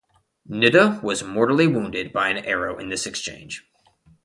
Nitta was mortally wounded by an arrow in this exchange.